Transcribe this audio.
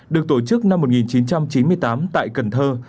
được tổ chức năm một nghìn chín trăm chín mươi tám tại cần thơ